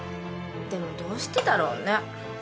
でもどうしてだろうね？